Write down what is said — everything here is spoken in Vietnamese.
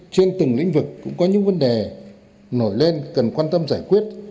trên từng lĩnh vực cũng có những vấn đề nổi lên cần quan tâm giải quyết